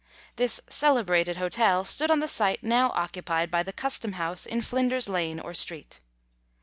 This celebrated hotel stood on the site now occupied by the Custom House in Flinders lane or street.